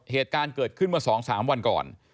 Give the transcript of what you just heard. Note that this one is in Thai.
เหตุการณ์เกิดขึ้นเมื่อ๒๓วันก่อน